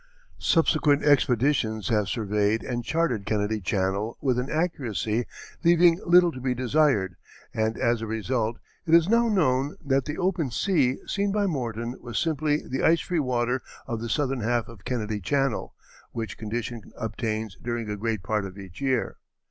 ] Subsequent expeditions have surveyed and charted Kennedy Channel with an accuracy leaving little to be desired, and as a result it is now known that the open "sea" seen by Morton was simply the ice free water of the southern half of Kennedy Channel, which condition obtains during a great part of each year.